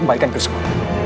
aku balikan kerusukmu